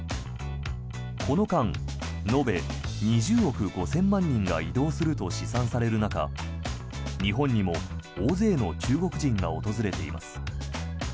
この間延べ２０億５０００万人が移動すると試算される中日本にも大勢の中国人が訪れています。